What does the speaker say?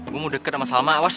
gue mau deket sama salma awas